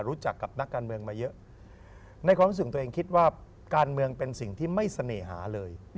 รู้จักกับนักการเมืองมาเยอะในความรู้สึกตัวเองคิดว่าการเมืองเป็นสิ่งที่ไม่เสน่หาเลย